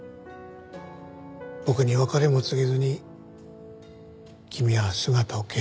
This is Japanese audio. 僕に別れも告げずに君は姿を消してしまった。